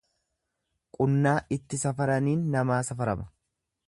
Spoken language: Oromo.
Qunnaa itti safaraniin namaa safarama.